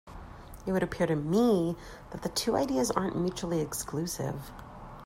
It would appear to me that the two ideas aren't mutually exclusive.